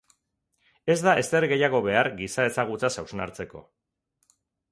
Ez da ezer gehiago behar giza ezagutzaz hausnartzeko.